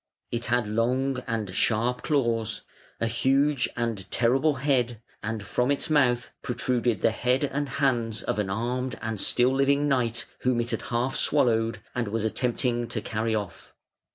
It had long and sharp claws, a huge and terrible head, and from its mouth protruded the head and hands of an armed and still living knight whom it had half swallowed and was attempting to carry off.